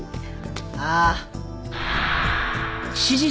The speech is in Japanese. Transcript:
ああ。